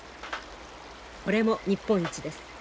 これも日本一です。